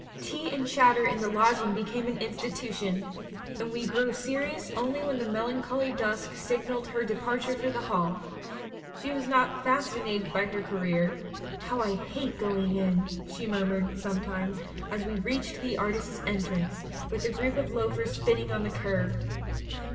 Tea and chatter in the lodging became an institution, and we grew serious only when the melancholy dusk signalled her departure for the hall. She was not fasci nated by her career: 'How I hate going in!' she murmured sometimes, as we reached the artists' entrance, with the group of loafers spitting on the kerb.